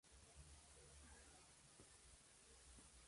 Simbolizado la importancia de nuestro pueblo durante la colonia.